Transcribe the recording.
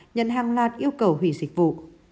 nhận hàng loạt yêu cầu hủy dịch vụ